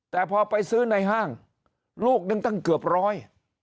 แต่พอไปซื้อในห้างลูกนึงตั้งเกือบร้อย